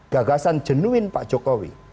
gagasan jenuin pak jokowi